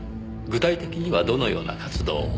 具体的にはどのような活動を？